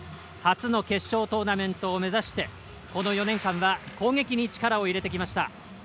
初の決勝トーナメントを目指してこの４年間は攻撃に力を入れてきました。